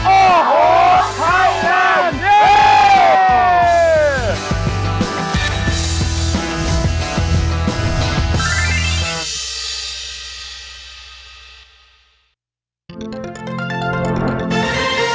โอ้โหไทยแลนด์